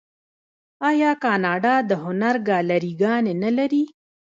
آیا کاناډا د هنر ګالري ګانې نلري؟